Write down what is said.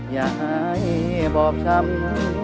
อย่าให้บอบช้ำ